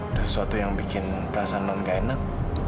ada sesuatu yang bikin perasaan non gak enak